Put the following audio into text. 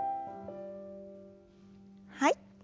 はい。